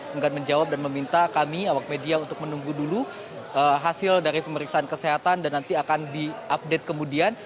enggak menjawab dan meminta kami awak media untuk menunggu dulu hasil dari pemeriksaan kesehatan dan nanti akan diupdate kemudian